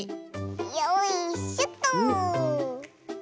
よいしょっと。